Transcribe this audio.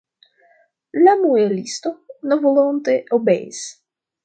La muelisto nevolonte obeis.